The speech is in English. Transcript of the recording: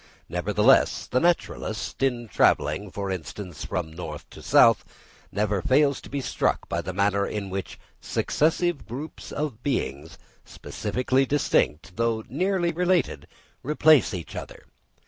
Nevertheless, the naturalist, in travelling, for instance, from north to south, never fails to be struck by the manner in which successive groups of beings, specifically distinct, though nearly related, replace each other.